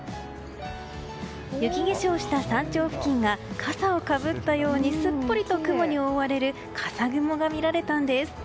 雪化粧した山頂付近がかさをかぶったようにすっぽりと雲に覆われる笠雲が見られたんです。